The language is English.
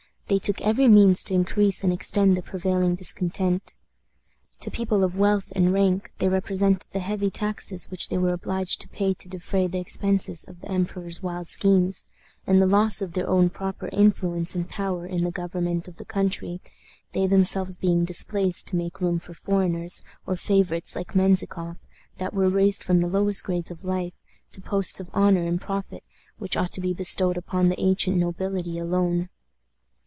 They took every means to increase and extend the prevailing discontent. To people of wealth and rank they represented the heavy taxes which they were obliged to pay to defray the expenses of the emperor's wild schemes, and the loss of their own proper influence and power in the government of the country, they themselves being displaced to make room for foreigners, or favorites like Menzikoff, that were raised from the lowest grades of life to posts of honor and profit which ought to be bestowed upon the ancient nobility alone.